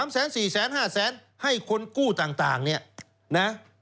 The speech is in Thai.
๓แสน๔แสน๕แสนให้คนกู้ต่างนี่นะ